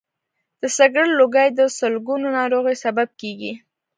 د سګرټ لوګی د سلګونو ناروغیو سبب کېږي.